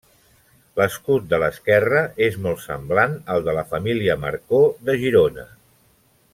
L'escut de l'esquerra és molt semblant al de la família Marcó de Girona.